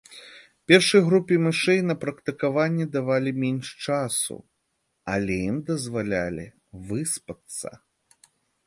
Першай групе мышэй на практыкаванні давалі менш часу, але ім дазвалялі выспацца.